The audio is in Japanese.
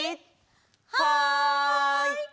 はい！